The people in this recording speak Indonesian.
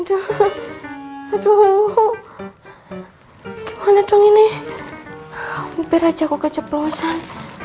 aduh aduh gimana dong ini hampir aja aku keceplosan